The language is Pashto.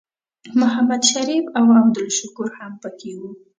محمد شریف او عبدالشکور هم پکې وو.